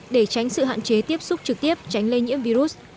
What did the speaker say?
để tránh sự hạn chế tiếp xúc trực tiếp tránh lây nhiễm virus